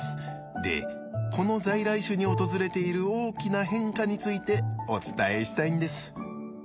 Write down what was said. でこの在来種に訪れている大きな変化についてお伝えしたいんです。